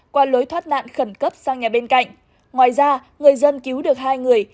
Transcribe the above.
qua lối thoát nạn khẩn cấp sang nhà bên cạnh ngoài ra người dân cứu được hai người